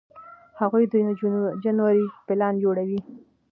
هغوی د جنورۍ پلان جوړوي.